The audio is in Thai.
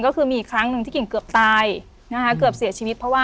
ก็คือมีอีกครั้งหนึ่งที่กิ่งเกือบตายนะคะเกือบเสียชีวิตเพราะว่า